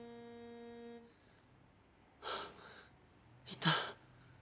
いた。